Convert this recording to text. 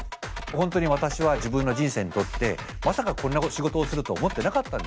本当に私は自分の人生にとってまさかこんな仕事をすると思ってなかったんですね。